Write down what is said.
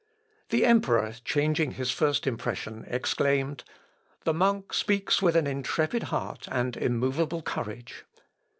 The emperor, changing his first impression, exclaimed, "The monk speaks with an intrepid heart and immovable courage."